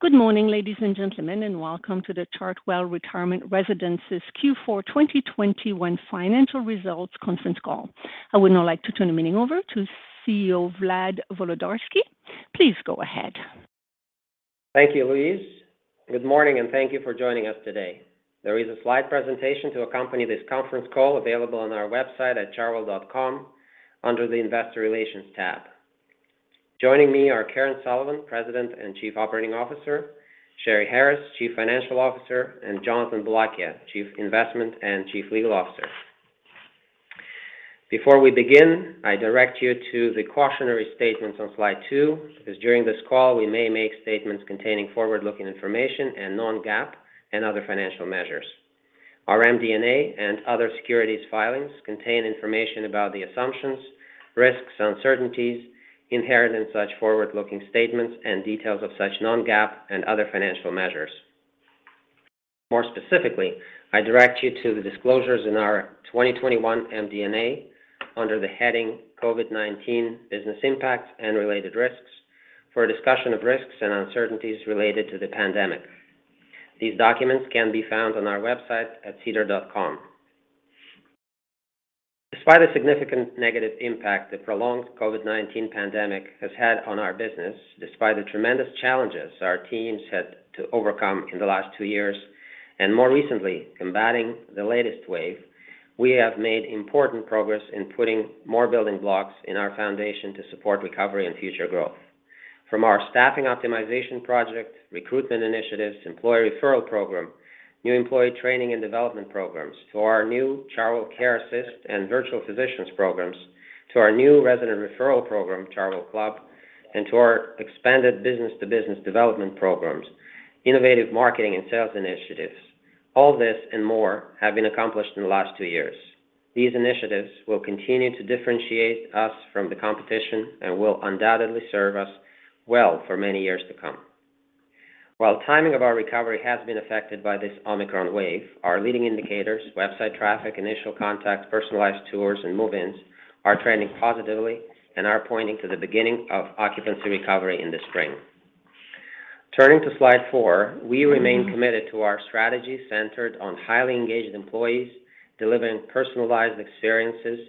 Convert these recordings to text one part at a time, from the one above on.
Good morning, ladies and gentlemen, and welcome to the Chartwell Retirement Residences Q4 2021 financial results conference call. I would now like to turn the meeting over to CEO, Vlad Volodarsky. Please go ahead. Thank you, Louise. Good morning, and thank you for joining us today. There is a slide presentation to accompany this conference call available on our website at chartwell.com under the Investor Relations tab. Joining me are Karen Sullivan, President and Chief Operating Officer, Sheri Harris, Chief Financial Officer, and Jonathan Boulakia, Chief Investment and Chief Legal Officer. Before we begin, I direct you to the cautionary statements on slide two, because during this call, we may make statements containing forward-looking information and non-GAAP and other financial measures. Our MD&A and other securities filings contain information about the assumptions, risks, uncertainties inherent in such forward-looking statements and details of such non-GAAP and other financial measures. More specifically, I direct you to the disclosures in our 2021 MD&A under the heading COVID-19 Business Impact and Related Risks for a discussion of risks and uncertainties related to the pandemic. These documents can be found on our website at chartwell.com. Despite a significant negative impact the prolonged COVID-19 pandemic has had on our business, despite the tremendous challenges our teams had to overcome in the last two years, and more recently combating the latest wave, we have made important progress in putting more building blocks in our foundation to support recovery and future growth. From our staffing optimization project, recruitment initiatives, employee referral program, new employee training and development programs, to our new Chartwell Care Assist and virtual physicians programs, to our new resident referral program, Chartwell Club, and to our expanded business-to-business development programs, innovative marketing and sales initiatives, all this and more have been accomplished in the last two years. These initiatives will continue to differentiate us from the competition and will undoubtedly serve us well for many years to come. While timing of our recovery has been affected by this Omicron wave, our leading indicators, website traffic, initial contact, personalized tours, and move-ins are trending positively and are pointing to the beginning of occupancy recovery in the spring. Turning to slide four, we remain committed to our strategy centered on highly engaged employees delivering personalized experiences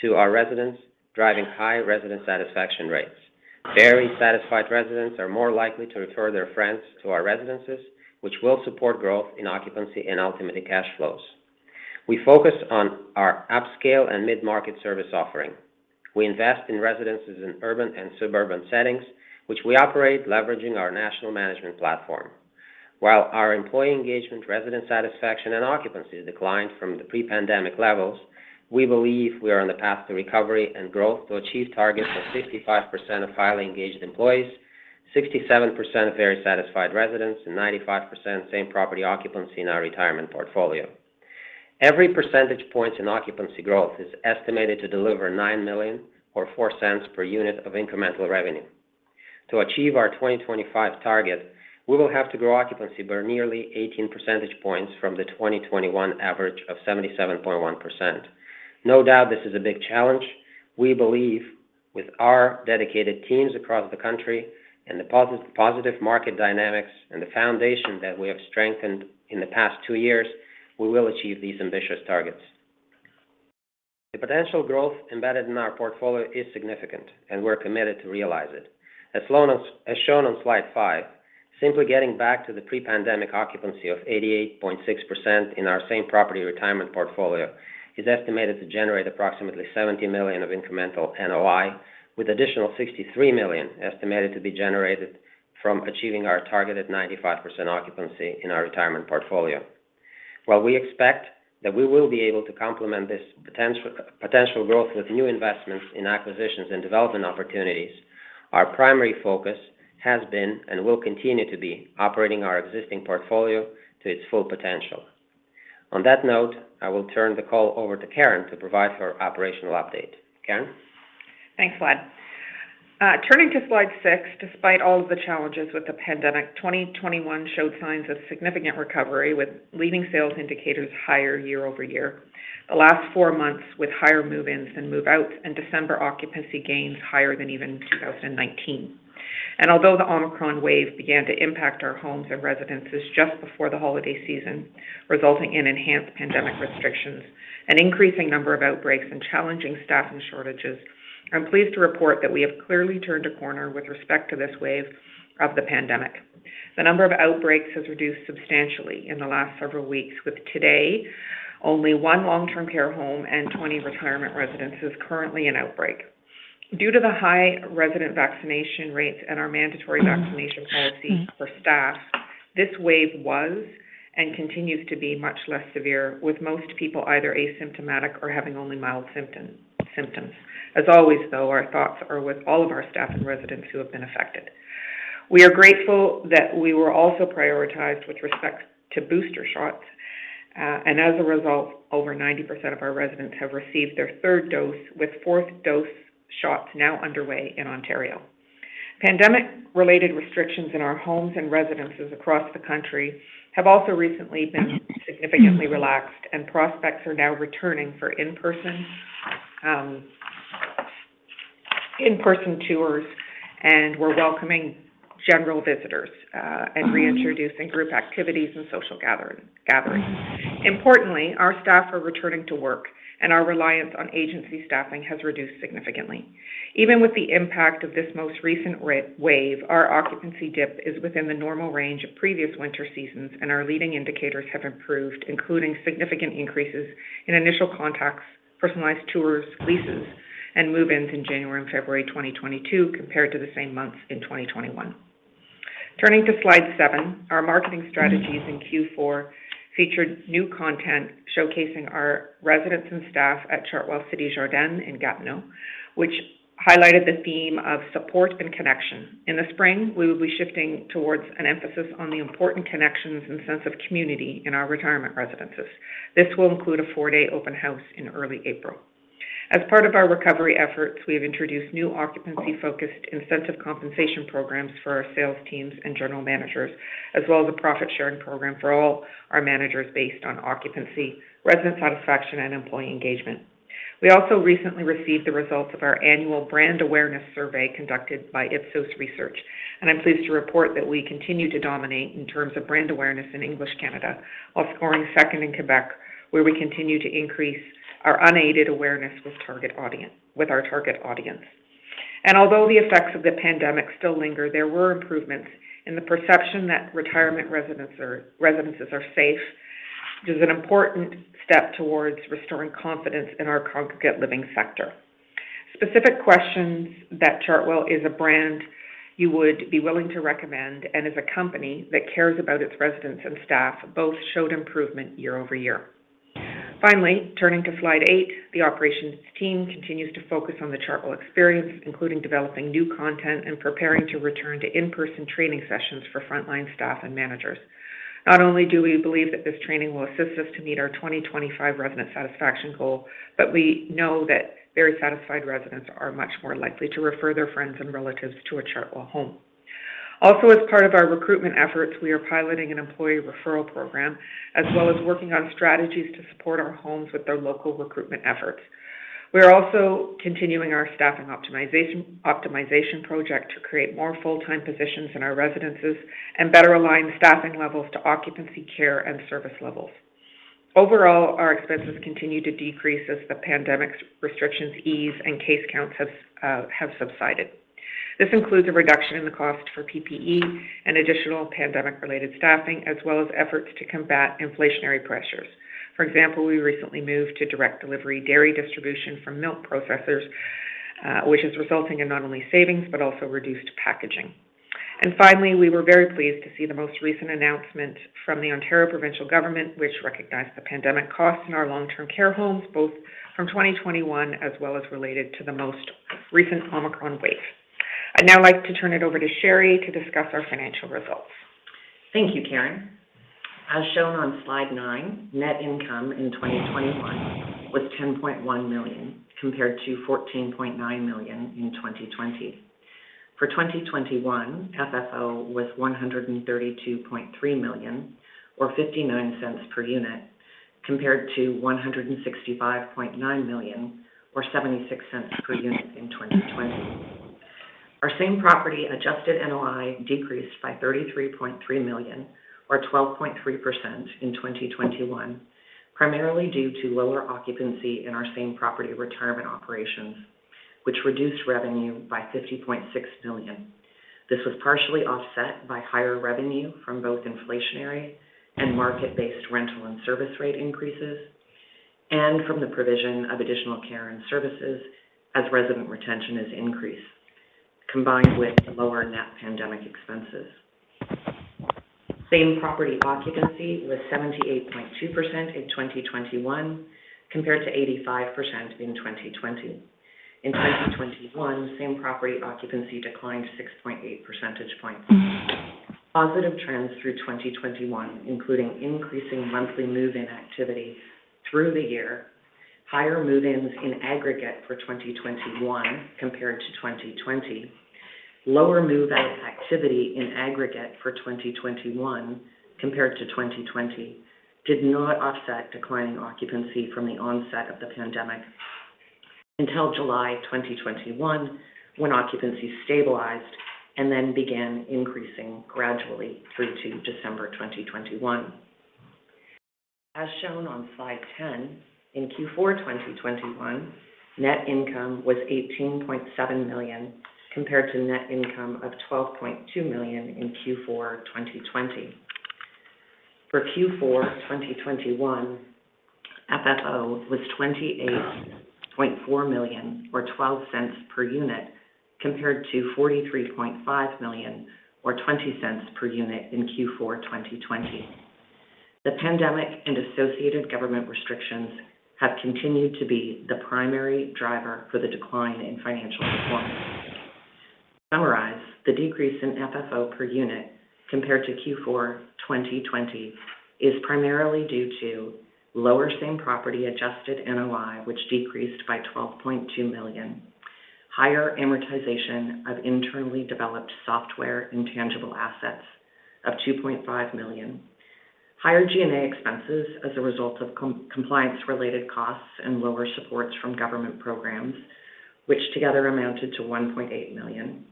to our residents, driving high resident satisfaction rates. Very satisfied residents are more likely to refer their friends to our residences, which will support growth in occupancy and ultimately cash flows. We focus on our upscale and mid-market service offering. We invest in residences in urban and suburban settings, which we operate leveraging our national management platform. While our employee engagement, resident satisfaction, and occupancy declined from the pre-pandemic levels, we believe we are on the path to recovery and growth to achieve targets of 65% of highly engaged employees, 67% of very satisfied residents, and 95% same property occupancy in our retirement portfolio. Every percentage points in occupancy growth is estimated to deliver 9 million or 0.04 per unit of incremental revenue. To achieve our 2025 target, we will have to grow occupancy by nearly 18 percentage points from the 2021 average of 77.1%. No doubt this is a big challenge. We believe with our dedicated teams across the country and the positive market dynamics and the foundation that we have strengthened in the past two years, we will achieve these ambitious targets. The potential growth embedded in our portfolio is significant, and we're committed to realize it. As shown on slide five, simply getting back to the pre-pandemic occupancy of 88.6% in our same property retirement portfolio is estimated to generate approximately 70 million of incremental NOI, with additional 63 million estimated to be generated from achieving our target at 95% occupancy in our retirement portfolio. While we expect that we will be able to complement this potential growth with new investments in acquisitions and development opportunities, our primary focus has been and will continue to be operating our existing portfolio to its full potential. On that note, I will turn the call over to Karen to provide her operational update. Karen? Thanks, Vlad. Turning to slide six, despite all of the challenges with the pandemic, 2021 showed signs of significant recovery with leading sales indicators higher year over year. The last four months with higher move-ins than move-outs and December occupancy gains higher than even 2019. Although the Omicron wave began to impact our homes and residences just before the holiday season, resulting in enhanced pandemic restrictions, an increasing number of outbreaks, and challenging staffing shortages, I'm pleased to report that we have clearly turned a corner with respect to this wave of the pandemic. The number of outbreaks has reduced substantially in the last several weeks, with today only 1 long-term care home and 20 retirement residences currently in outbreak. Due to the high resident vaccination rates and our mandatory vaccination policy for staff, this wave was and continues to be much less severe, with most people either asymptomatic or having only mild symptoms. As always, though, our thoughts are with all of our staff and residents who have been affected. We are grateful that we were also prioritized with respect to booster shots, and as a result, over 90% of our residents have received their third dose, with fourth dose shots now underway in Ontario. Pandemic-related restrictions in our homes and residences across the country have also recently been significantly relaxed, and prospects are now returning for in-person tours, and we're welcoming general visitors, and reintroducing group activities and social gathering. Importantly, our staff are returning to work, and our reliance on agency staffing has reduced significantly. Even with the impact of this most recent wave, our occupancy dip is within the normal range of previous winter seasons, and our leading indicators have improved, including significant increases in initial contacts, personalized tours, leases, and move-ins in January and February 2022 compared to the same months in 2021. Turning to slide seven, our marketing strategies in Q4 featured new content showcasing our residents and staff at Chartwell Cité-Jardin in Gatineau, which highlighted the theme of support and connection. In the spring, we will be shifting towards an emphasis on the important connections and sense of community in our retirement residences. This will include a four-day open house in early April. As part of our recovery efforts, we have introduced new occupancy-focused incentive compensation programs for our sales teams and general managers, as well as a profit-sharing program for all our managers based on occupancy, resident satisfaction, and employee engagement. We also recently received the results of our annual brand awareness survey conducted by Ipsos Research, and I'm pleased to report that we continue to dominate in terms of brand awareness in English Canada, while scoring second in Quebec, where we continue to increase our unaided awareness with our target audience. Although the effects of the pandemic still linger, there were improvements in the perception that retirement residence or residences are safe. This is an important step towards restoring confidence in our congregate living sector. Specific questions that Chartwell is a brand you would be willing to recommend and is a company that cares about its residents and staff both showed improvement year-over-year. Finally, turning to slide eight, the operations team continues to focus on the Chartwell experience, including developing new content and preparing to return to in-person training sessions for frontline staff and managers. Not only do we believe that this training will assist us to meet our 2025 resident satisfaction goal, but we know that very satisfied residents are much more likely to refer their friends and relatives to a Chartwell home. Also, as part of our recruitment efforts, we are piloting an employee referral program, as well as working on strategies to support our homes with their local recruitment efforts. We are also continuing our staffing optimization project to create more full-time positions in our residences and better align staffing levels to occupancy, care, and service levels. Overall, our expenses continue to decrease as the pandemic's restrictions ease and case counts have subsided. This includes a reduction in the cost for PPE and additional pandemic-related staffing, as well as efforts to combat inflationary pressures. For example, we recently moved to direct delivery dairy distribution from milk processors, which is resulting in not only savings but also reduced packaging. Finally, we were very pleased to see the most recent announcement from the Ontario provincial government, which recognized the pandemic costs in our long-term care homes, both from 2021 as well as related to the most recent Omicron wave. I'd now like to turn it over to Sherry to discuss our financial results. Thank you, Karen. As shown on slide nine, net income in 2021 was 10.1 million compared to 14.9 million in 2020. For 2021, FFO was 132.3 million or 0.59 per unit, compared to 165.9 million or 0.76 per unit in 2020. Our same property adjusted NOI decreased by 33.3 million or 12.3% in 2021, primarily due to lower occupancy in our same property retirement operations, which reduced revenue by 50.6 million. This was partially offset by higher revenue from both inflationary and market-based rental and service rate increases and from the provision of additional care and services as resident retention has increased, combined with lower net pandemic expenses. Same property occupancy was 78.2% in 2021 compared to 85% in 2020. In 2021, same property occupancy declined 6.8 percentage points. Positive trends through 2021, including increasing monthly move-in activity through the year, higher move-ins in aggregate for 2021 compared to 2020, lower move-out activity in aggregate for 2021 compared to 2020 did not offset declining occupancy from the onset of the pandemic until July 2021, when occupancy stabilized and then began increasing gradually through to December 2021. As shown on slide 10, in Q4 2021, net income was 18.7 million compared to net income of 12.2 million in Q4 2020. For Q4 2021, FFO was 28.4 million or 0.12 per unit compared to 43.5 million or 0.20 per unit in Q4 2020. The pandemic and associated government restrictions have continued to be the primary driver for the decline in financial performance. To summarize, the decrease in FFO per unit compared to Q4 2020 is primarily due to lower same property adjusted NOI, which decreased by 12.2 million, higher amortization of internally developed software intangible assets of 2.5 million. Higher G&A expenses as a result of compliance related costs and lower supports from government programs, which together amounted to 1.8 million.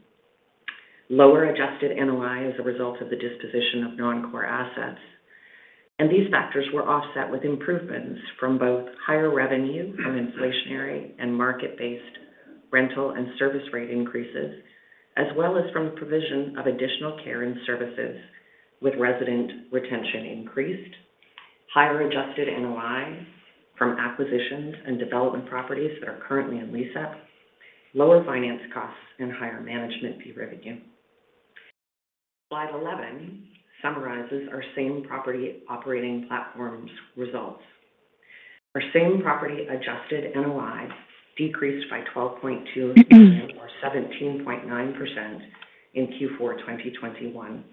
Lower adjusted NOI as a result of the disposition of non-core assets. These factors were offset with improvements from both higher revenue from inflationary and market-based rental and service rate increases, as well as from the provision of additional care and services with resident retention increased, higher adjusted NOI from acquisitions and development properties that are currently in lease-up, lower finance costs, and higher management fee revenue. Slide 11 summarizes our same-property operating platform's results. Our same-property adjusted NOI decreased by 12.2 million or 17.9% in Q4 2021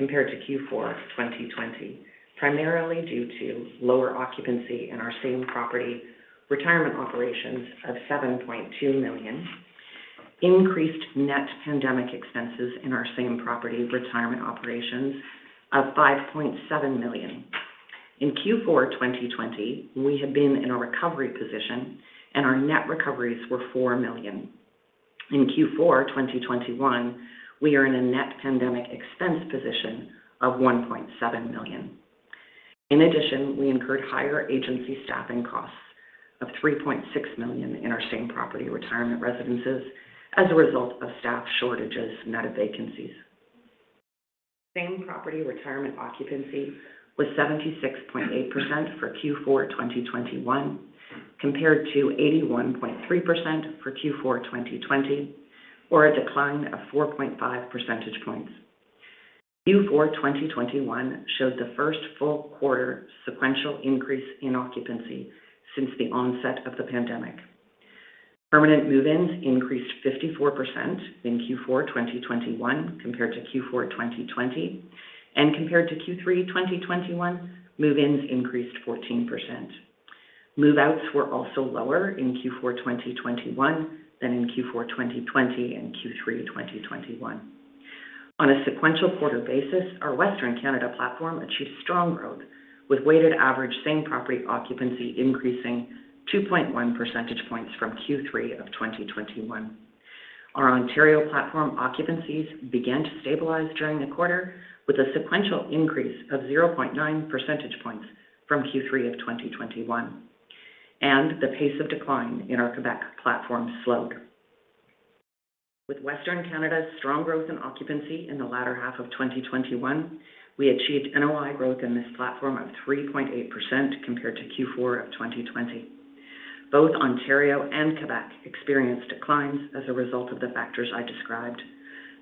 compared to Q4 2020, primarily due to lower occupancy in our same-property retirement operations of 7.2 million, increased net pandemic expenses in our same-property retirement operations of 5.7 million. In Q4 2020, we had been in a recovery position, and our net recoveries were 4 million. In Q4 2021, we are in a net pandemic expense position of 1.7 million. In addition, we incurred higher agency staffing costs of 3.6 million in our same-property retirement residences as a result of staff shortages and net of vacancies. Same-property retirement occupancy was 76.8% for Q4 2021 compared to 81.3% for Q4 2020, or a decline of 4.5 percentage points. Q4 2021 showed the first full quarter sequential increase in occupancy since the onset of the pandemic. Permanent move-ins increased 54% in Q4 2021 compared to Q4 2020. Compared to Q3 2021, move-ins increased 14%. Move-outs were also lower in Q4 2021 than in Q4 2020 and Q3 2021. On a sequential quarter basis, our Western Canada platform achieved strong growth with weighted average same-property occupancy increasing 2.1 percentage points from Q3 of 2021. Our Ontario platform occupancies began to stabilize during the quarter with a sequential increase of 0.9 percentage points from Q3 of 2021, and the pace of decline in our Quebec platform slowed. With Western Canada's strong growth in occupancy in the latter half of 2021, we achieved NOI growth in this platform of 3.8% compared to Q4 of 2020. Both Ontario and Quebec experienced declines as a result of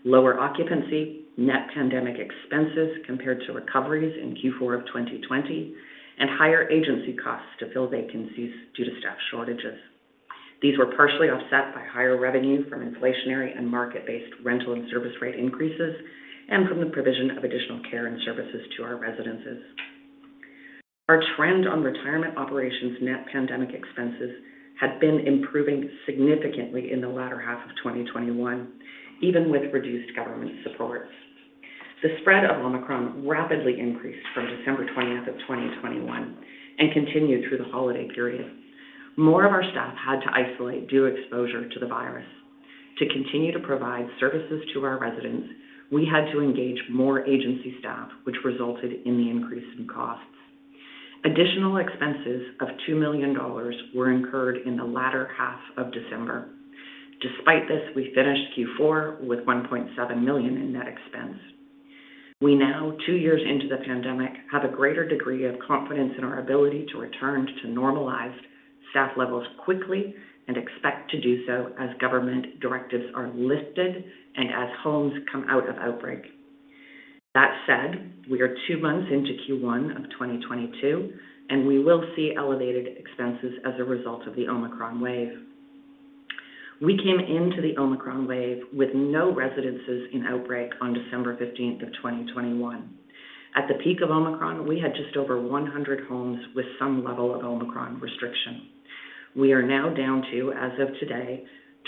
lower occupancy, net pandemic expenses compared to recoveries in Q4 of 2020, and higher agency costs to fill vacancies due to staff shortages. These were partially offset by higher revenue from inflationary and market-based rental and service rate increases and from the provision of additional care and services to our residences. Our trend on retirement operations net pandemic expenses had been improving significantly in the latter half of 2021, even with reduced government supports. The spread of Omicron rapidly increased from December 20th of 2021 and continued through the holiday period. More of our staff had to isolate due to exposure to the virus. To continue to provide services to our residents, we had to engage more agency staff, which resulted in the increase in costs. Additional expenses of 2 million dollars were incurred in the latter half of December. Despite this, we finished Q4 with 1.7 million in net expense. We now, two years into the pandemic, have a greater degree of confidence in our ability to return to normalized staff levels quickly and expect to do so as government directives are lifted and as homes come out of outbreak. That said, we are 2 months into Q1 of 2022, and we will see elevated expenses as a result of the Omicron wave. We came into the Omicron wave with no residences in outbreak on December 15th of 2021. At the peak of Omicron, we had just over 100 homes with some level of Omicron restriction. We are now down to, as of today,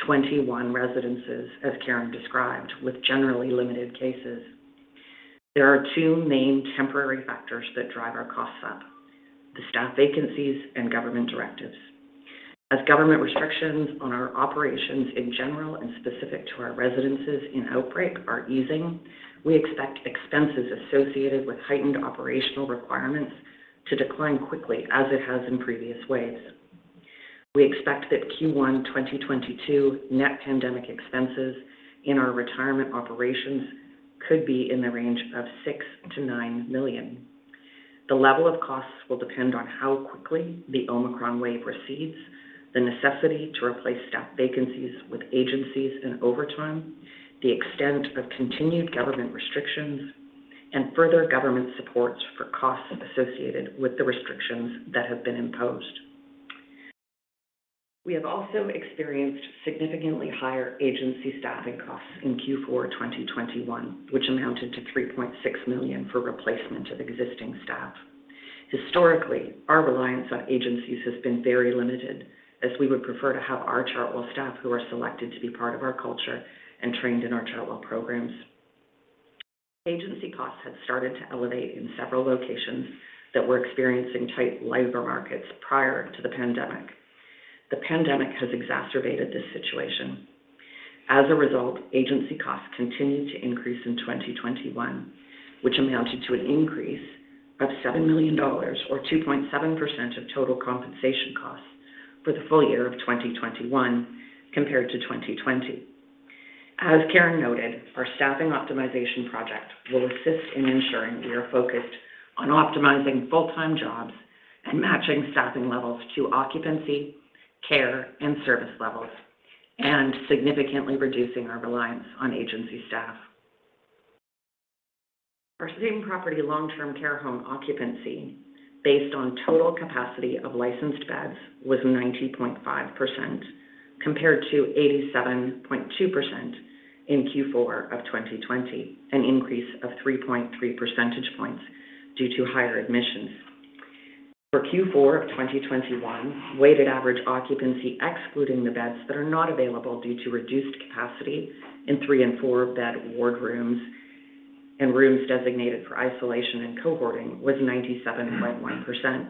21 residences, as Karen described, with generally limited cases. There are two main temporary factors that drive our costs up. The staff vacancies and government directives. As government restrictions on our operations in general and specific to our residences in outbreak are easing, we expect expenses associated with heightened operational requirements to decline quickly as it has in previous waves. We expect that Q1 2022 net pandemic expenses in our retirement operations could be in the range of 6 million-9 million. The level of costs will depend on how quickly the Omicron wave recedes, the necessity to replace staff vacancies with agencies and overtime, the extent of continued government restrictions, and further government supports for costs associated with the restrictions that have been imposed. We have also experienced significantly higher agency staffing costs in Q4 2021, which amounted to 3.6 million for replacement of existing staff. Historically, our reliance on agencies has been very limited, as we would prefer to have our Chartwell staff who are selected to be part of our culture and trained in our Chartwell programs. Agency costs had started to elevate in several locations that were experiencing tight labor markets prior to the pandemic. The pandemic has exacerbated this situation. As a result, agency costs continued to increase in 2021, which amounted to an increase of 7 million dollars or 2.7% of total compensation costs for the full year of 2021 compared to 2020. As Karen noted, our staffing optimization project will assist in ensuring we are focused on optimizing full-time jobs and matching staffing levels to occupancy, care and service levels, and significantly reducing our reliance on agency staff. Our same-property long-term care home occupancy based on total capacity of licensed beds was 90.5% compared to 87.2% in Q4 of 2020, an increase of 3.3 percentage points due to higher admissions. For Q4 2021, weighted average occupancy excluding the beds that are not available due to reduced capacity in three- and four-bed ward rooms and rooms designated for isolation and cohorting was 97.1%.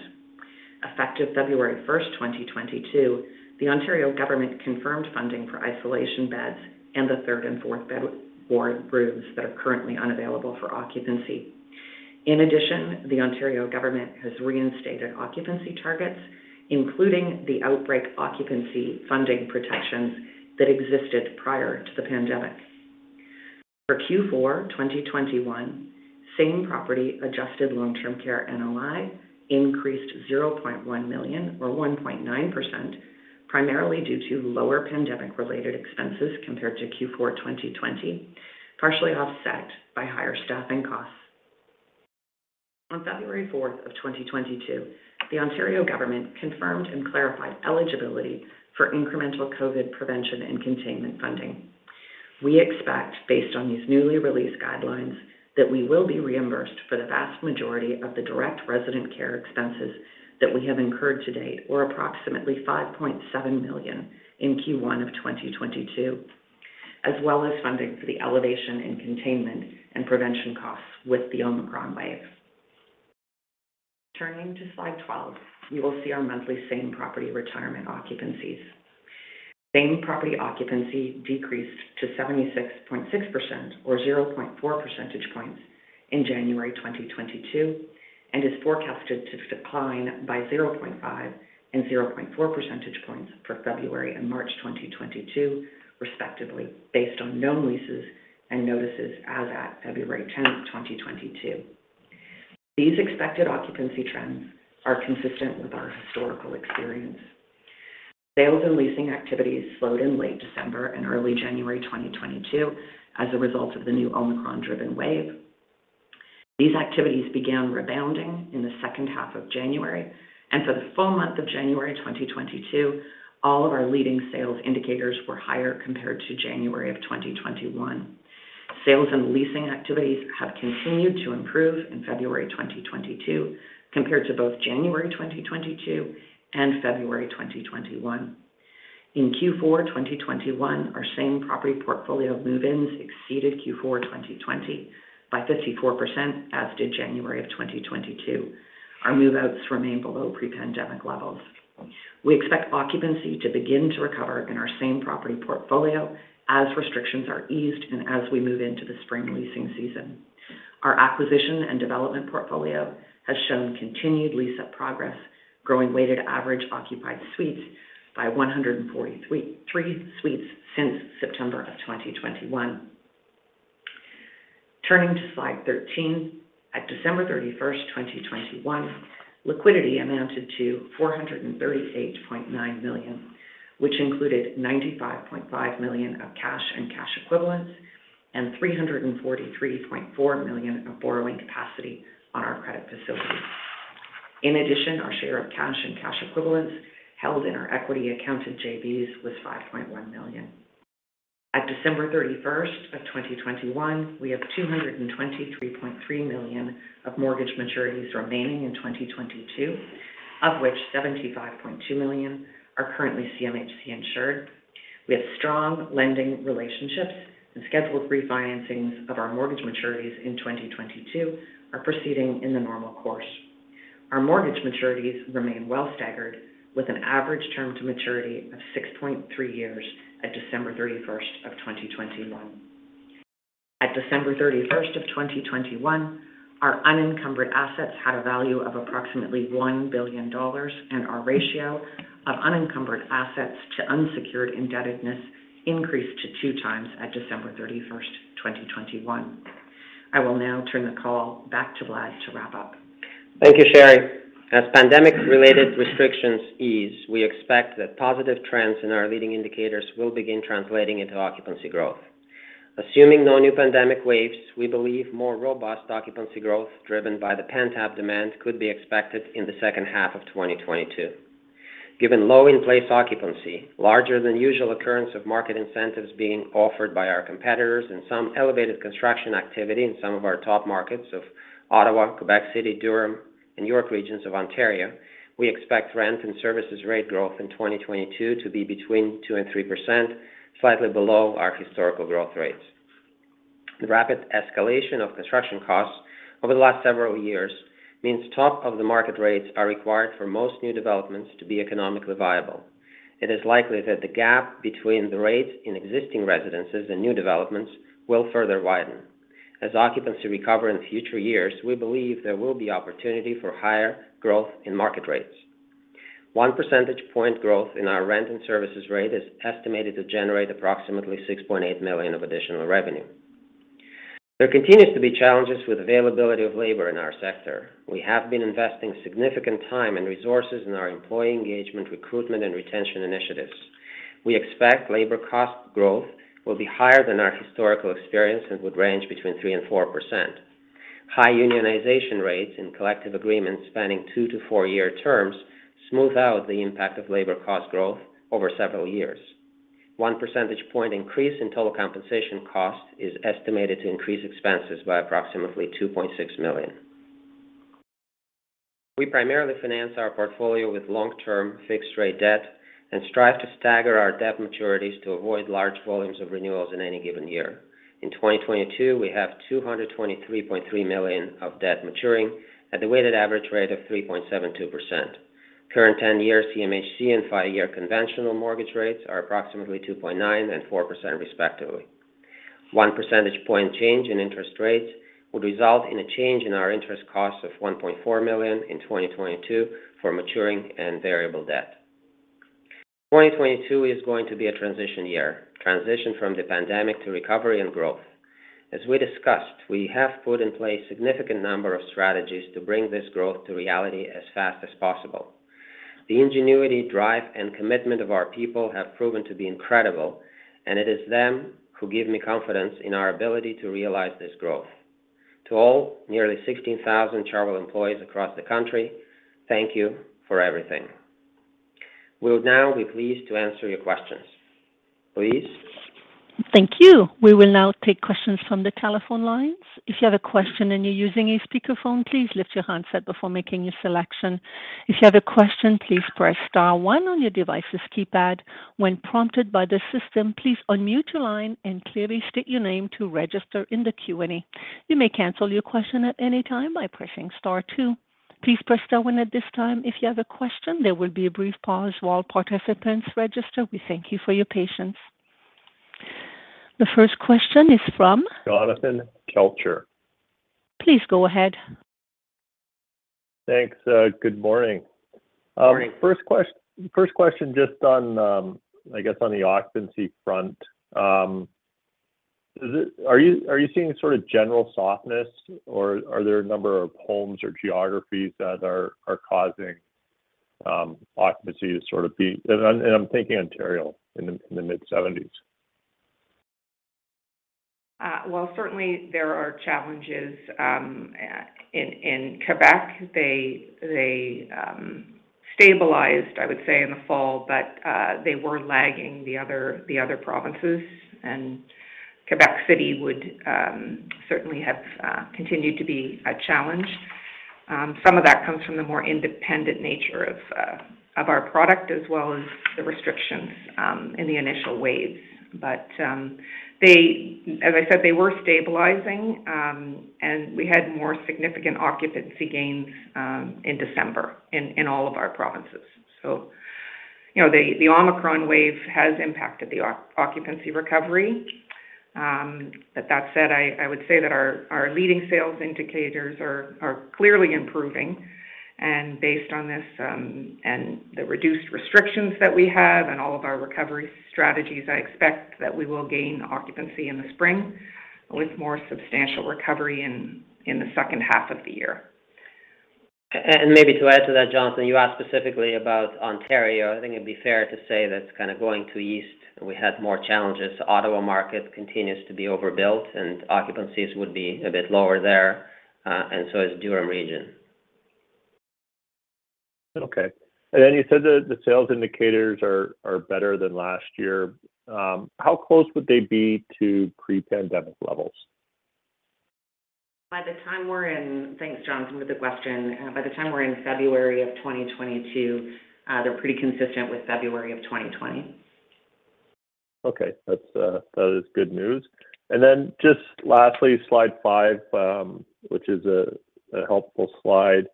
Effective February 1, 2022, the Ontario government confirmed funding for isolation beds and the three- and four-bed ward rooms that are currently unavailable for occupancy. In addition, the Ontario government has reinstated occupancy targets, including the outbreak occupancy funding protections that existed prior to the pandemic. For Q4 2021, same-property adjusted long-term care NOI increased 0.1 million or 1.9%, primarily due to lower pandemic-related expenses compared to Q4 2020, partially offset by higher staffing costs. On February 4, 2022, the Ontario government confirmed and clarified eligibility for incremental COVID-19 prevention and containment funding. We expect, based on these newly released guidelines, that we will be reimbursed for the vast majority of the direct resident care expenses that we have incurred to date, or approximately 5.7 million in Q1 of 2022, as well as funding for the elevation in containment and prevention costs with the Omicron wave. Turning to slide 12, you will see our monthly same-property retirement occupancies. Same-property occupancy decreased to 76.6% or 0.4 percentage points in January 2022, and is forecasted to decline by 0.5 and 0.4 percentage points for February and March 2022, respectively, based on known leases and notices as at February 10, 2022. These expected occupancy trends are consistent with our historical experience. Sales and leasing activities slowed in late December and early January 2022 as a result of the new Omicron-driven wave. These activities began rebounding in the second half of January, and for the full month of January 2022, all of our leading sales indicators were higher compared to January of 2021. Sales and leasing activities have continued to improve in February 2022 compared to both January 2022 and February 2021. In Q4 2021, our same-property portfolio move-ins exceeded Q4 2020 by 54%, as did January of 2022. Our move-outs remain below pre-pandemic levels. We expect occupancy to begin to recover in our same-property portfolio as restrictions are eased and as we move into the spring leasing season. Our acquisition and development portfolio has shown continued lease-up progress, growing weighted average occupied suites by 143 suites since September 2021. Turning to slide 13, at December 31, 2021, liquidity amounted to 438.9 million, which included 95.5 million of cash and cash equivalents and 343.4 million of borrowing capacity on our credit facility. In addition, our share of cash and cash equivalents held in our equity accounts at JVs was 5.1 million. At December 31, 2021, we have 223.3 million of mortgage maturities remaining in 2022, of which 75.2 million are currently CMHC insured. We have strong lending relationships, and scheduled refinancings of our mortgage maturities in 2022 are proceeding in the normal course. Our mortgage maturities remain well staggered, with an average term to maturity of 6.3 years at December 31, 2021. At December 31, 2021, our unencumbered assets had a value of approximately 1 billion dollars, and our ratio of unencumbered assets to unsecured indebtedness increased to 2x at December 31, 2021. I will now turn the call back to Vlad to wrap up. Thank you, Sherry. As pandemic-related restrictions ease, we expect that positive trends in our leading indicators will begin translating into occupancy growth. Assuming no new pandemic waves, we believe more robust occupancy growth driven by the pent-up demand could be expected in the second half of 2022. Given low in-place occupancy, larger than usual occurrence of market incentives being offered by our competitors, and some elevated construction activity in some of our top markets of Ottawa, Quebec City, Durham, and York regions of Ontario, we expect rent and services rate growth in 2022 to be between 2% and 3%, slightly below our historical growth rates. The rapid escalation of construction costs over the last several years means top of the market rates are required for most new developments to be economically viable. It is likely that the gap between the rates in existing residences and new developments will further widen. As occupancy recovers in future years, we believe there will be opportunity for higher growth in market rates. One percentage point growth in our rent and services rate is estimated to generate approximately 6.8 million of additional revenue. There continues to be challenges with availability of labor in our sector. We have been investing significant time and resources in our employee engagement, recruitment, and retention initiatives. We expect labor cost growth will be higher than our historical experience and would range between 3% and 4%. High unionization rates and collective agreements spanning 2-4-year terms smooth out the impact of labor cost growth over several years. One percentage point increase in total compensation cost is estimated to increase expenses by approximately 2.6 million. We primarily finance our portfolio with long-term fixed rate debt and strive to stagger our debt maturities to avoid large volumes of renewals in any given year. In 2022, we have 223.3 million of debt maturing at the weighted average rate of 3.72%. Current 10-year CMHC and five-year conventional mortgage rates are approximately 2.9% and 4% respectively. One percentage point change in interest rates would result in a change in our interest costs of 1.4 million in 2022 for maturing and variable debt. 2022 is going to be a transition year, transition from the pandemic to recovery and growth. As we discussed, we have put in place significant number of strategies to bring this growth to reality as fast as possible. The ingenuity, drive, and commitment of our people have proven to be incredible, and it is them who give me confidence in our ability to realize this growth. To all, nearly 16,000 Chartwell employees across the country, thank you for everything. We'll now be pleased to answer your questions. Please. Thank you. We will now take questions from the telephone lines. If you have a question and you're using a speakerphone, please lift your handset before making your selection. If you have a question, please press star one on your device's keypad. When prompted by the system, please unmute your line and clearly state your name to register in the Q&A. You may cancel your question at any time by pressing star two. Please press star one at this time if you have a question. There will be a brief pause while participants register. We thank you for your patience. The first question is from. Jonathan Kelcher. Please go ahead. Thanks. Good morning. Morning. First question just on, I guess, on the occupancy front. Are you seeing sort of general softness or are there a number of homes or geographies that are causing occupancy to sort of be. I'm thinking Ontario in the mid-70s. Well, certainly there are challenges in Quebec. They stabilized, I would say, in the fall, but they were lagging the other provinces. Quebec City would certainly have continued to be a challenge. Some of that comes from the more independent nature of our product, as well as the restrictions in the initial waves. As I said, they were stabilizing, and we had more significant occupancy gains in December in all of our provinces. You know, the Omicron wave has impacted the occupancy recovery. But that said, I would say that our leading sales indicators are clearly improving. Based on this, and the reduced restrictions that we have and all of our recovery strategies, I expect that we will gain occupancy in the spring, with more substantial recovery in the second half of the year. Maybe to add to that, Jonathan, you asked specifically about Ontario. I think it'd be fair to say that kind of going to east, we had more challenges. Ottawa market continues to be overbuilt, and occupancies would be a bit lower there, and so is Durham region. Okay. You said that the sales indicators are better than last year. How close would they be to pre-pandemic levels? Thanks, Jonathan, for the question. By the time we're in February of 2022, they're pretty consistent with February of 2020. Okay. That's good news. Just lastly, slide five, which is a helpful slide.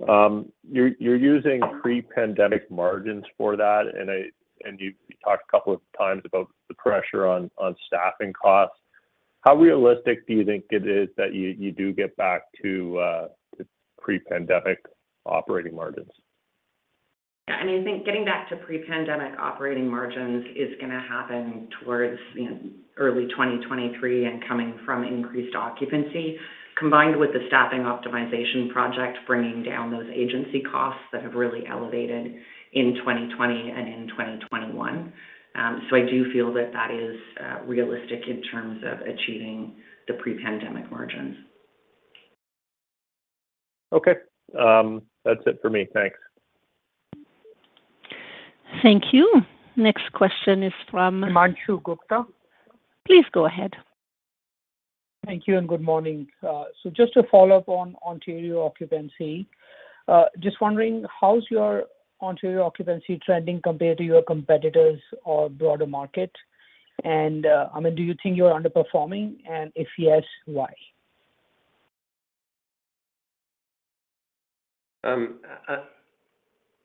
You're using pre-pandemic margins for that, and you've talked a couple of times about the pressure on staffing costs. How realistic do you think it is that you do get back to pre-pandemic operating margins? Yeah, I think getting back to pre-pandemic operating margins is gonna happen towards, you know, early 2023 and coming from increased occupancy, combined with the staffing optimization project, bringing down those agency costs that have really elevated in 2020 and in 2021. I do feel that is realistic in terms of achieving the pre-pandemic margins. Okay. That's it for me. Thanks. Thank you. Next question is from- Himanshu Gupta. Please go ahead. Thank you, and good morning. Just to follow up on Ontario occupancy, just wondering how's your Ontario occupancy trending compared to your competitors or broader market? I mean, do you think you're underperforming? If yes, why?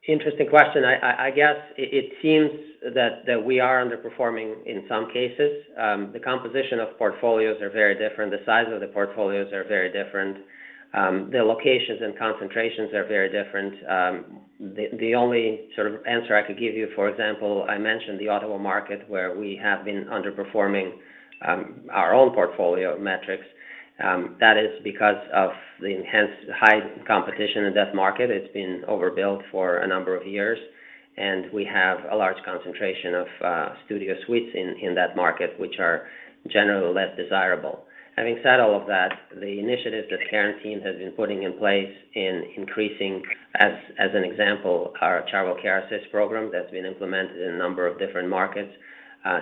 Interesting question. I guess it seems that we are underperforming in some cases. The composition of portfolios are very different. The size of the portfolios are very different. The locations and concentrations are very different. The only sort of answer I could give you, for example, I mentioned the Ottawa market where we have been underperforming our own portfolio metrics. That is because of the enhanced high competition in that market. It's been overbuilt for a number of years, and we have a large concentration of studio suites in that market, which are generally less desirable. Having said all of that, the initiatives that Karen's team has been putting in place, including, as an example, our Chartwell Care Assist program that's been implemented in a number of different markets,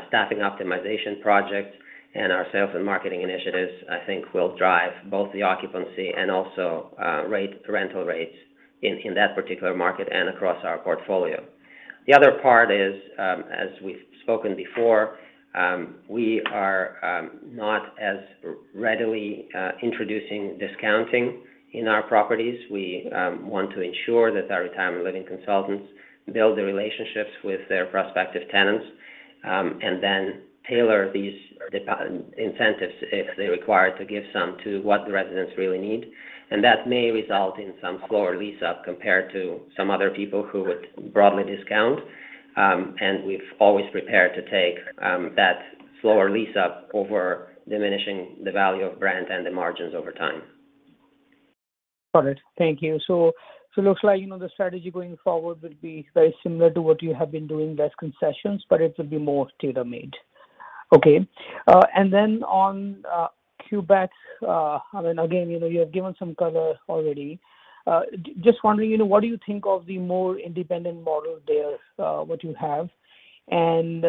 staffing optimization projects and our sales and marketing initiatives, I think will drive both the occupancy and also rental rates in that particular market and across our portfolio. The other part is, as we've spoken before, we are not as readily introducing discounting in our properties. We want to ensure that our retirement living consultants build the relationships with their prospective tenants, and then tailor these incentives if they're required to give some to what the residents really need. That may result in some slower lease-up compared to some other people who would broadly discount. We're always prepared to take that slower lease-up over diminishing the value of brand and the margins over time. Got it. Thank you. Looks like, you know, the strategy going forward will be very similar to what you have been doing, less concessions, but it will be more tailor-made. Okay. On Quebec, I mean, again, you know, you have given some color already. Just wondering, you know, what do you think of the more independent model there, what you have? And,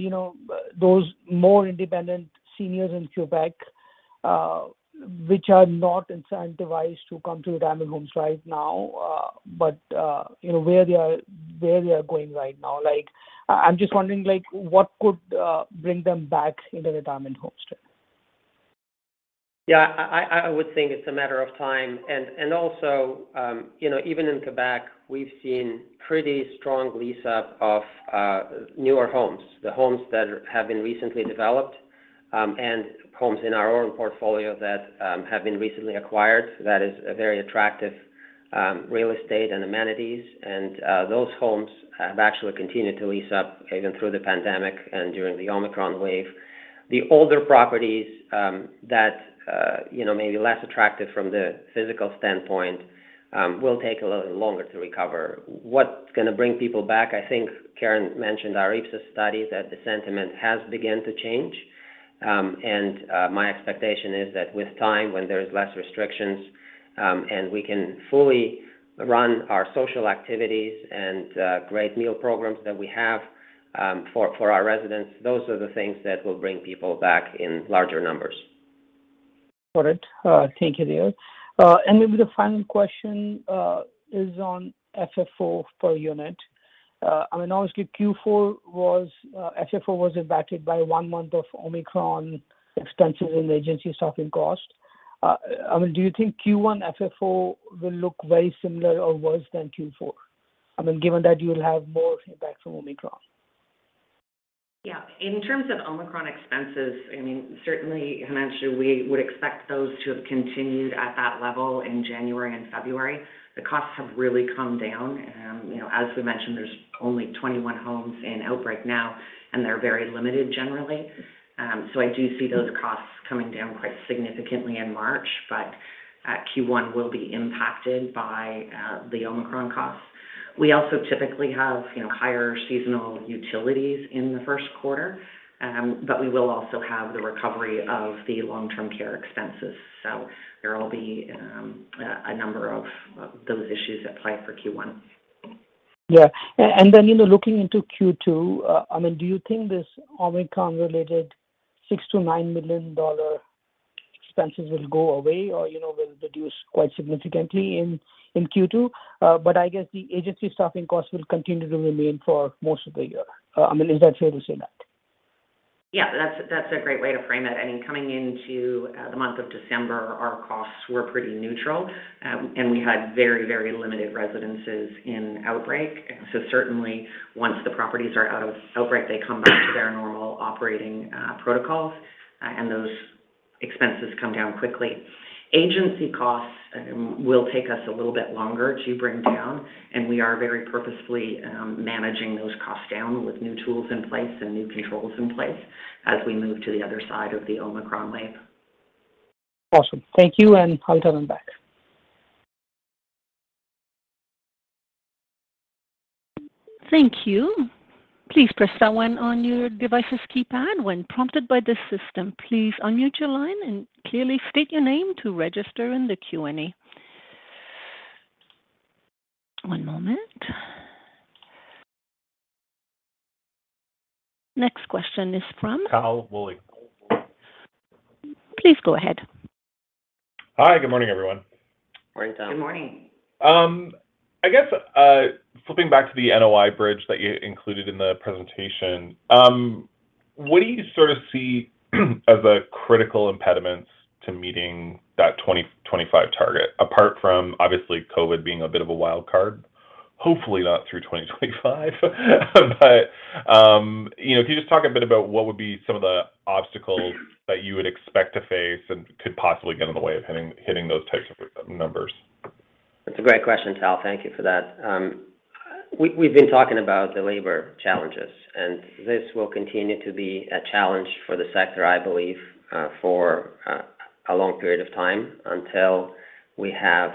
you know, those more independent seniors in Quebec, which are not incentivized to come to retirement homes right now, but, you know, where they are going right now. Like, I'm just wondering, like, what could bring them back in the retirement homes today? Yeah, I would think it's a matter of time. Also, you know, even in Quebec, we've seen pretty strong lease-up of newer homes, the homes that have been recently developed, and homes in our own portfolio that have been recently acquired that is a very attractive real estate and amenities. Those homes have actually continued to lease up even through the pandemic and during the Omicron wave. The older properties that you know may be less attractive from the physical standpoint will take a little longer to recover. What's gonna bring people back, I think Karen mentioned our Ipsos study, that the sentiment has begun to change. My expectation is that with time, when there's less restrictions, and we can fully run our social activities and great meal programs that we have for our residents, those are the things that will bring people back in larger numbers. Got it. Thank you, Vlad Volodarsky. Maybe the final question is on FFO per unit. I mean, obviously Q4 was, FFO was impacted by one month of Omicron expenses and agency staffing costs. I mean, do you think Q1 FFO will look very similar or worse than Q4? I mean, given that you'll have more impact from Omicron. Yeah. In terms of Omicron expenses, I mean, certainly, Himanshu, we would expect those to have continued at that level in January and February. The costs have really come down. You know, as we mentioned, there's only 21 homes in outbreak now, and they're very limited generally. So I do see those costs coming down quite significantly in March. Q1 will be impacted by the Omicron costs. We also typically have, you know, higher seasonal utilities in the first quarter, but we will also have the recovery of the long-term care expenses. There will be a number of those issues at play for Q1. Then, you know, looking into Q2, I mean, do you think this Omicron-related CAD 6 million-CAD 9 million expenses will go away or, you know, will reduce quite significantly in Q2? I guess the agency staffing costs will continue to remain for most of the year. I mean, is that fair to say that? Yeah, that's a great way to frame it. I mean, coming into the month of December, our costs were pretty neutral, and we had very limited residences in outbreak. Certainly once the properties are out of outbreak, they come back to their normal operating protocols, and those expenses come down quickly. Agency costs will take us a little bit longer to bring down, and we are very purposefully managing those costs down with new tools in place and new controls in place as we move to the other side of the Omicron wave. Awesome. Thank you, and I'll turn it back. Thank you. Please press star one on your device's keypad. When prompted by the system, please unmute your line and clearly state your name to register in the Q&A. One moment. Next question is from- Tal Woolley. Please go ahead. Hi. Good morning, everyone. Morning, Tal. Good morning. I guess, flipping back to the NOI bridge that you included in the presentation, what do you sort of see as a critical impediment to meeting that 2025 target, apart from obviously COVID being a bit of a wild card? Hopefully not through 2025. You know, can you just talk a bit about what would be some of the obstacles that you would expect to face and could possibly get in the way of hitting those types of numbers? That's a great question, Tal. Thank you for that. We've been talking about the labor challenges, and this will continue to be a challenge for the sector, I believe, for a long period of time until we have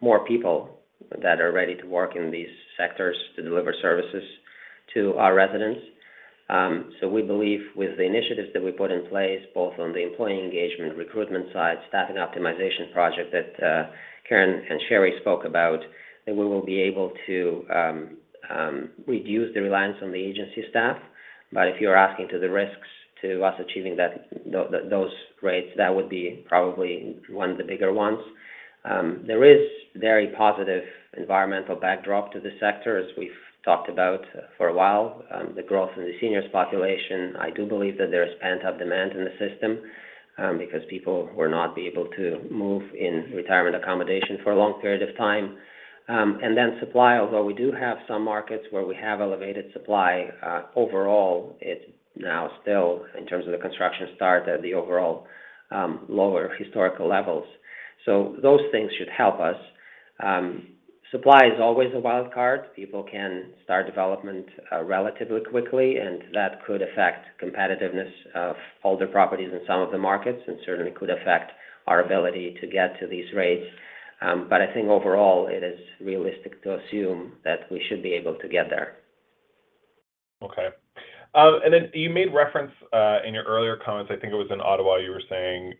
more people that are ready to work in these sectors to deliver services to our residents. We believe with the initiatives that we put in place, both on the employee engagement recruitment side, staff and optimization project that Karen and Sheri spoke about, that we will be able to reduce the reliance on the agency staff. If you're asking about the risks to us achieving that, those rates, that would be probably one of the bigger ones. There is very positive environmental backdrop to this sector, as we've talked about for a while, the growth in the seniors population. I do believe that there is pent-up demand in the system, because people will not be able to move in retirement accommodation for a long period of time. Supply, although we do have some markets where we have elevated supply, overall, it's now still in terms of the construction starts at the overall lower historical levels. Those things should help us. Supply is always a wild card. People can start development relatively quickly, and that could affect competitiveness of older properties in some of the markets, and certainly could affect our ability to get to these rates. I think overall, it is realistic to assume that we should be able to get there. Okay. Then you made reference in your earlier comments, I think it was in Ottawa, you were saying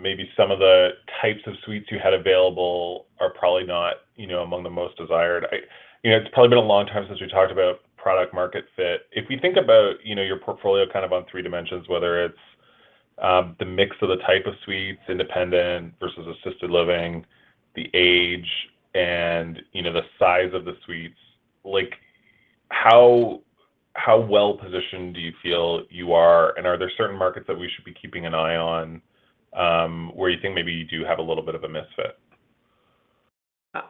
maybe some of the types of suites you had available are probably not, you know, among the most desired. You know, it's probably been a long time since we talked about product market fit. If we think about, you know, your portfolio kind of on three dimensions, whether it's the mix of the type of suites, independent versus assisted living, the age and, you know, the size of the suites, like how well-positioned do you feel you are? Are there certain markets that we should be keeping an eye on, where you think maybe you do have a little bit of a misfit?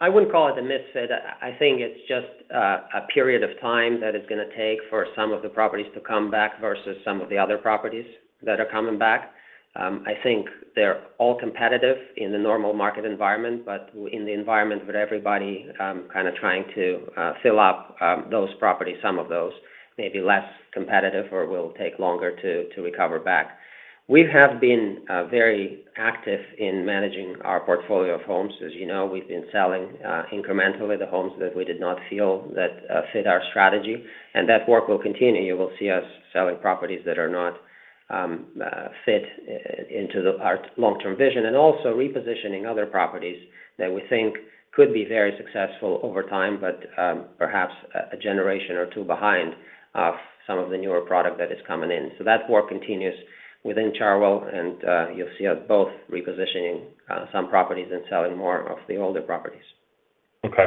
I wouldn't call it a misfit. I think it's just a period of time that it's gonna take for some of the properties to come back versus some of the other properties that are coming back. I think they're all competitive in the normal market environment, but in the environment with everybody kinda trying to fill up those properties, some of those may be less competitive or will take longer to recover back. We have been very active in managing our portfolio of homes. As you know, we've been selling incrementally the homes that we did not feel that fit our strategy, and that work will continue. You will see us selling properties that are not fit into our long-term vision and also repositioning other properties that we think could be very successful over time but perhaps a generation or two behind some of the newer product that is coming in. That work continues within Chartwell, and you'll see us both repositioning some properties and selling more of the older properties. Okay.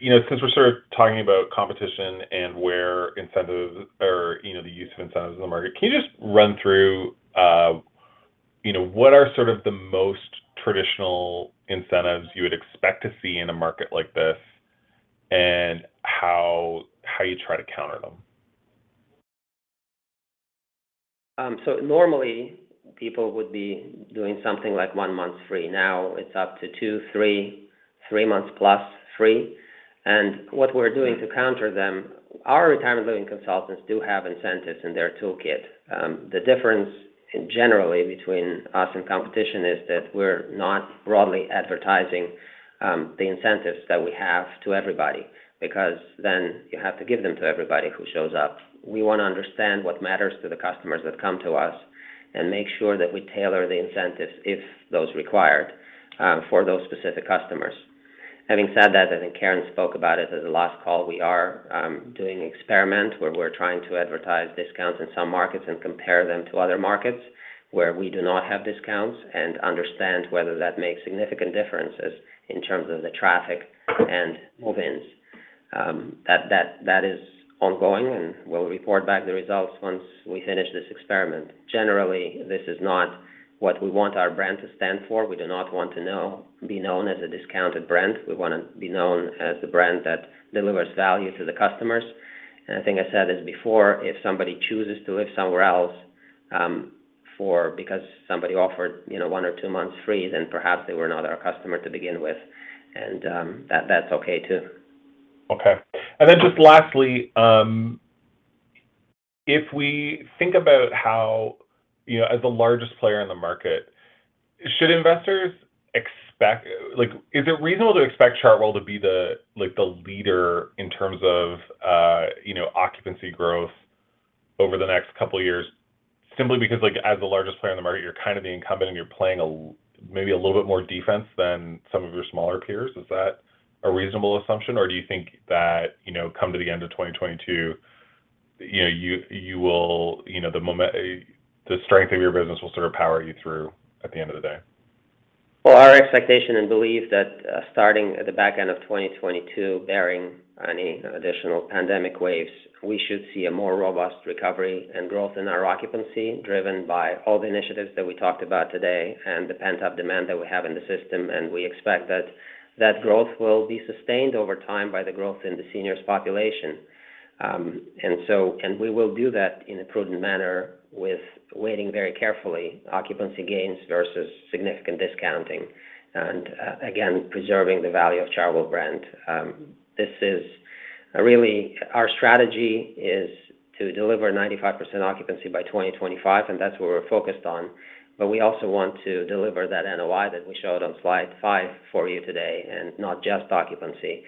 You know, since we're sort of talking about competition and where incentives or, you know, the use of incentives in the market, can you just run through, you know, what are sort of the most traditional incentives you would expect to see in a market like this and how you try to counter them? Normally people would be doing something like 1 month free. Now it's up to two, three months plus free. What we're doing to counter them, our retirement living consultants do have incentives in their toolkit. The difference generally between us and competition is that we're not broadly advertising the incentives that we have to everybody because then you have to give them to everybody who shows up. We wanna understand what matters to the customers that come to us and make sure that we tailor the incentives if those required for those specific customers. Having said that, I think Karen spoke about it at the last call. We are doing an experiment where we're trying to advertise discounts in some markets and compare them to other markets where we do not have discounts and understand whether that makes significant differences in terms of the traffic and move-ins. That is ongoing, and we'll report back the results once we finish this experiment. Generally, this is not what we want our brand to stand for. We do not want to know, be known as a discounted brand. We wanna be known as the brand that delivers value to the customers. I think I said this before, if somebody chooses to live somewhere else, or because somebody offered, you know, one or two months free, then perhaps they were not our customer to begin with. That's okay too. Okay, and then lastly, if we think about how, you know, as the largest player in the market, should investors expect. Like, is it reasonable to expect Chartwell to be the, like, the leader in terms of, you know, occupancy growth over the next couple of years simply because, like, as the largest player in the market, you're kind of the incumbent and you're playing a maybe a little bit more defense than some of your smaller peers. Is that a reasonable assumption? Or do you think that, you know, come to the end of 2022, you know, you will, you know, the strength of your business will sort of power you through at the end of the day? Well, our expectation and belief that, starting at the back end of 2022, barring any additional pandemic waves, we should see a more robust recovery and growth in our occupancy, driven by all the initiatives that we talked about today and the pent-up demand that we have in the system. We expect that growth will be sustained over time by the growth in the seniors population. We will do that in a prudent manner with weighing very carefully occupancy gains versus significant discounting and, again, preserving the value of Chartwell brand. This is really our strategy is to deliver 95% occupancy by 2025, and that's what we're focused on. We also want to deliver that NOI that we showed on slide five for you today and not just occupancy.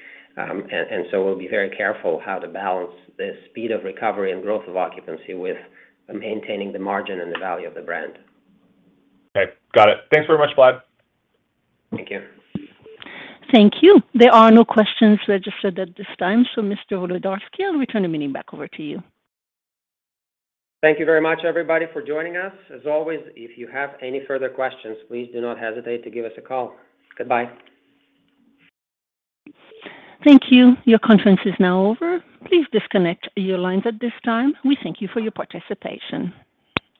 We'll be very careful how to balance the speed of recovery and growth of occupancy with maintaining the margin and the value of the brand. Okay. Got it. Thanks very much, Vlad. Thank you. Thank you. There are no questions registered at this time, so Mr. Volodarsky, I'll return the meeting back over to you. Thank you very much, everybody, for joining us. As always, if you have any further questions, please do not hesitate to give us a call. Goodbye. Thank you. Your conference is now over. Please disconnect your lines at this time. We thank you for your participation.